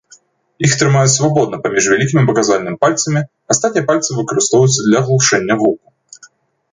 Іх трымаюць свабодна паміж вялікім і паказальным пальцамі, астатнія пальцы выкарыстоўваюцца для глушэння гуку.